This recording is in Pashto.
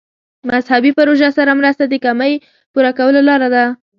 مذهبي پروژو سره مرسته د کمۍ پوره کولو لاره ده.